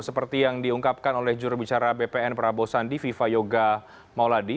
seperti yang diungkapkan oleh jurubicara bpn prabowo sandi viva yoga mauladi